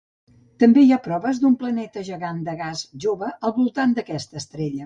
També hi ha proves d'un planeta gegant de gas jove al voltant d'aquesta estrella.